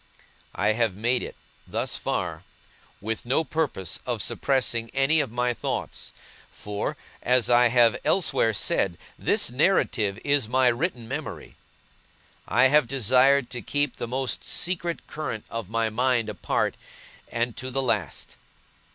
I have made it, thus far, with no purpose of suppressing any of my thoughts; for, as I have elsewhere said, this narrative is my written memory. I have desired to keep the most secret current of my mind apart, and to the last.